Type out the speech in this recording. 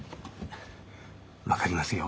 分かりますよ。